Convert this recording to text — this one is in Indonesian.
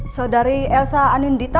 saudari elsa anindita